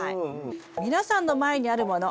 皆さんの前にあるもの